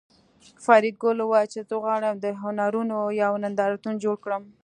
فریدګل وویل چې زه غواړم د هنرونو یو نندارتون جوړ کړم